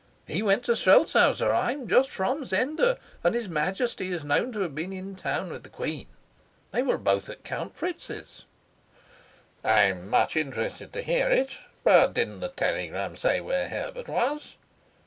"He went to Strelsau, sir. I am just from Zenda, and his Majesty is known to have been in town with the queen. They were both at Count Fritz's." "I'm much interested to hear it. But didn't the telegram say where Herbert was?"